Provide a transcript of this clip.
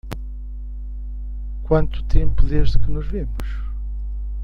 Quanto tempo desde que nos vimos?